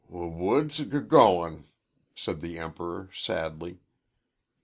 "W woods g goin'," said the Emperor, sadly.